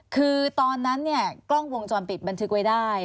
คือตอนนั้นเนี่ยกล้องวงจรปิดบันทึกไว้ได้